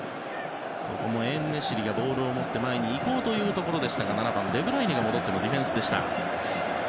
エンネシリがボールを持って前に行こうとしたところでしたがデブライネが戻ってのディフェンスでした。